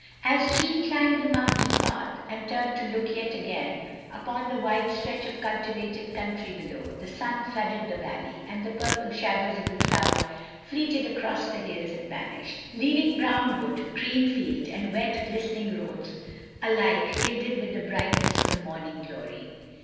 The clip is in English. As Jeanne climbed the mountain path, and turned to look yet again upon the wide stretch of cultivated country below, the stin flooded the valley, and the purple shadows of the cloud fleeted across the hills and vanished ; leaving brown wood, green field, and wet glistening roads alike gilded with the brightness of the morning glory.